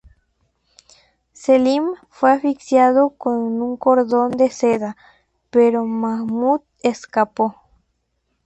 Selim fue asfixiado con un cordón de seda, pero Mahmud escapó.